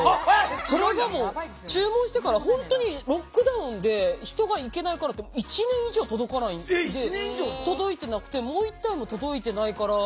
それでも注文してから本当にロックダウンで人が行けないからって１年以上届いてなくてもう１体も届いてないから。